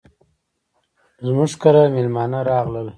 موږ کره ميلمانه راغلل.